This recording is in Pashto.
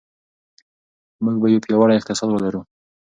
موږ به یو پیاوړی اقتصاد ولرو.